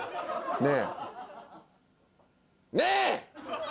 ねえ！